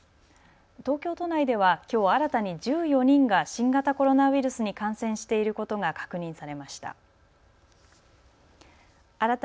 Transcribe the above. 東京都内ではきょう新たに１４人が新型コロナウイルスに感染していることが確認されました。